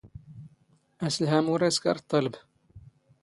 ⴰⵙⵍⵀⴰⵎ ⵓⵔ ⴰⵔ ⵉⵙⴽⴰⵔ ⵟⵟⴰⵍⴱ